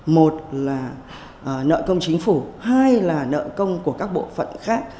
một là nợ công chính phủ hai là nợ công của các bộ phận khác